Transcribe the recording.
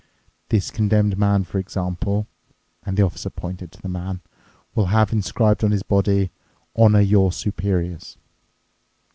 This Condemned Man, for example," and the Officer pointed to the man, "will have inscribed on his body, 'Honour your superiors.